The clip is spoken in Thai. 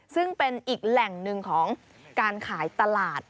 ซึ่งเป็นอีกแหล่งหนึ่งของการขายตลาด